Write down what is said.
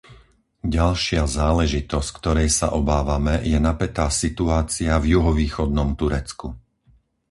Ďalšia záležitosť, ktorej sa obávame, je napätá situácia v juhovýchodnom Turecku.